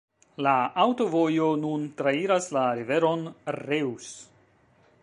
La aŭtovojo nun trairas la riveron Reuss.